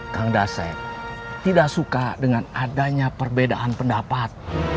kang daset tidak suka dengan adanya perbedaan pendapat